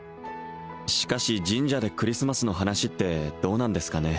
しかし神社でクリスマスの話ってどうなんですかね